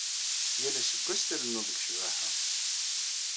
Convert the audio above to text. Yal aseggas trennuḍ g ccbaḥa.